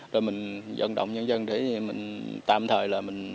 rồi mình dẫn động nhân dân để mình tạm thời là mình